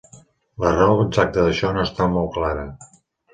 La raó exacta d'això no està molt clara.